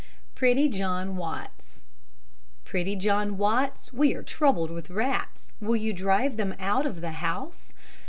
PRETTY JOHN WATTS Pretty John Watts, We are troubled with rats. Will you drive them out of the house?